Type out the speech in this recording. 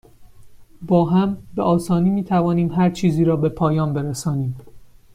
با هم، به آسانی می توانیم هرچیزی را به پایان برسانیم.